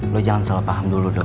lo jangan salah paham dulu dong